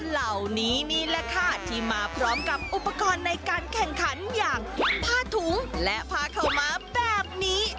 เหล่านี้นี่แหละค่ะที่มาพร้อมกับอุปกรณ์ในการแข่งขันอย่างผ้าถุงและผ้าขาวม้าแบบนี้